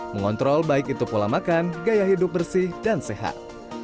mengontrol baik itu pola makan gaya hidup bersih dan sehat